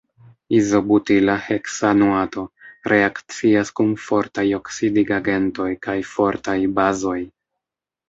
Izobutila heksanoato reakcias kun fortaj oksidigagentoj kaj fortaj bazoj.